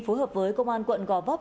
phối hợp với công an quận gò vấp